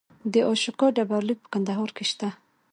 د اشوکا ډبرلیک په کندهار کې شته